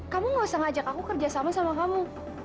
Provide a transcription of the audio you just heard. kamu nggak usah ngajak aku kerja sama sama kamu